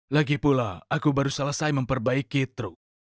lagipula aku baru selesai memperbaiki truk